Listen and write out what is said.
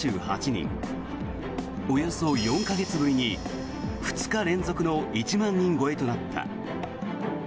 およそ４か月ぶりに２日連続の１万人超えとなった。